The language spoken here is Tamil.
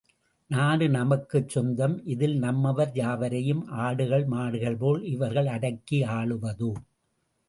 நாடு நமக்குச் சொந்தம் இதில் நம்மவர் யாவரையும் ஆடுகள் மாடுகள்போல் இவர்கள் அடக்கி ஆளுவதோ?